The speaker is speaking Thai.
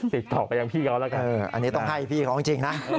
ติดต่อกันอย่างพี่เขาแล้วกันเอออันนี้ต้องให้พี่ของจริงนะเออ